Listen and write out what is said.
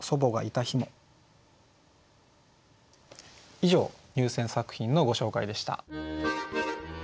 以上入選作品のご紹介でした。